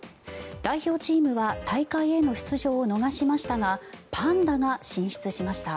代表チームは大会への出場を逃しましたがパンダが進出しました。